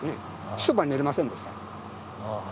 一晩寝れませんでした。